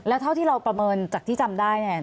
แล้วเท่าที่เราประเมินจากที่จำได้เนี่ย